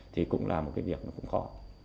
thì cũng là một việc khó